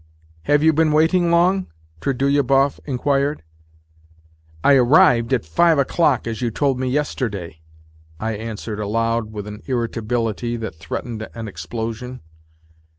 " Have you been waiting long? " Trudolyubov inquired. " I arrived at five o'clock as you told me yesterday," I answered aloud, with an irritability that threatened an explosion.